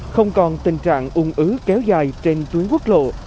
không còn tình trạng ung ứ kéo dài trên tuyến quốc lộ